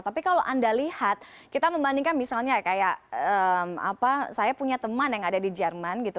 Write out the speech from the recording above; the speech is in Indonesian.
tapi kalau anda lihat kita membandingkan misalnya kayak saya punya teman yang ada di jerman gitu